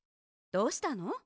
どうしたの？